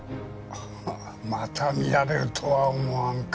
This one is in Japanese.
また見られるとは思わんかった。